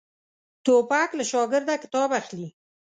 توپک له شاګرده کتاب اخلي.